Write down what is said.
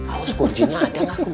awas kunjungnya ada lah kum